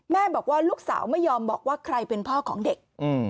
แม่บอกว่าลูกสาวไม่ยอมบอกว่าใครเป็นพ่อของเด็ก